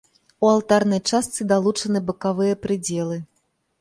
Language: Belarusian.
У алтарнай частцы далучаны бакавыя прыдзелы.